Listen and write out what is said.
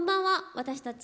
私たち。